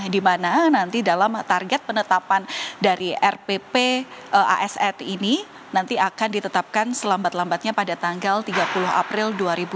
di mana nanti dalam target penetapan dari rpp asn ini nanti akan ditetapkan selambat lambatnya pada tanggal tiga puluh april dua ribu dua puluh